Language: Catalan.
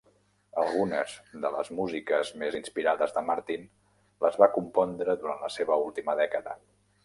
Algunes de les músiques més inspirades de Martin les va compondre durant la seva última dècada.